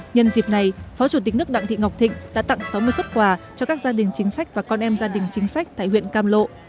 nhân dịp này phó chủ tịch nước đặng thị ngọc thịnh đã tặng sáu mươi xuất quà cho các gia đình chính sách và con em gia đình chính sách tại huyện cam lộ